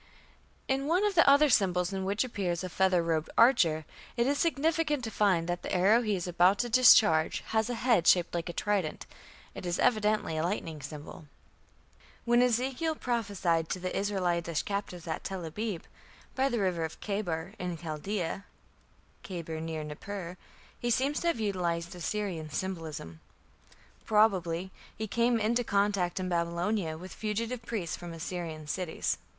In one of the other symbols in which appears a feather robed archer, it is significant to find that the arrow he is about to discharge has a head shaped like a trident; it is evidently a lightning symbol. When Ezekiel prophesied to the Israelitish captives at Tel abib, "by the river of Chebar" in Chaldea (Kheber, near Nippur), he appears to have utilized Assyrian symbolism. Probably he came into contact in Babylonia with fugitive priests from Assyrian cities.